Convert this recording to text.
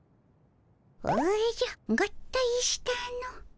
おじゃ合体したの。